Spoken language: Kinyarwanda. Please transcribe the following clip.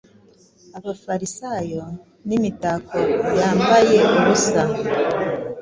Abafarisayo nimitako yambaye ubusa